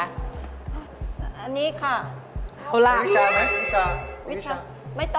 อันนี้ค่ะโทรล่าวิชาไหมวิชา